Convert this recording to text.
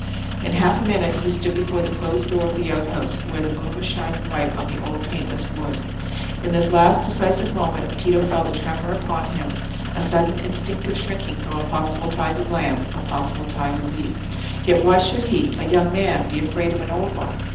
In half a minute he stood before the closed door of the outhouse, where the moon was shining white on the old paintless wood. In this last decisive moment, Tito felt a tremor upon him—a sudden instinctive shrinking from a possible tiger glance, a possible tiger leap. Yet why should he, a young man, be afraid of an old one?